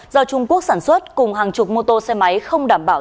do trung quốc sản xuất cùng hàng chục mô tô xe máy không đảm bảo